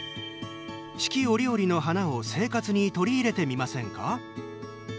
四季折々の花を生活に取り入れてみませんか？